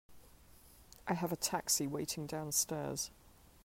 I have a taxi waiting downstairs.